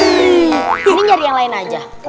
hmm ini nyari yang lain aja